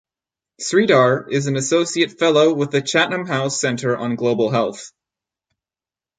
Sridhar is an Associate Fellow with the Chatham House Centre on Global Health.